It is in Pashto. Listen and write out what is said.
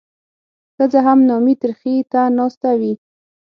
ښځه هم نامي ترخي ته ناسته وي.